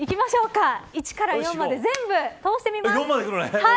＃１から＃４まで全部通してみます。